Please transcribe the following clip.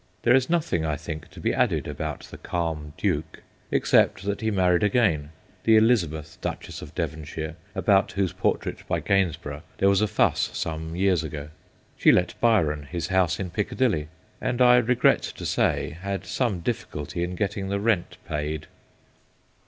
There is nothing, I think, to be added about the calm Duke, except that he married again the Elizabeth, Duchess of Devon shire, about whose portrait by Gainsborough there was a fuss some years ago. She let Byron his house in Piccadilly, and I regret to say had some difficulty in getting the rent paid.